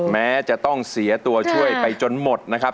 แม้จะต้องเสียตัวช่วยไปจนหมดนะครับ